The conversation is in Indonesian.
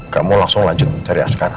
kamu langsung lanjut cari askara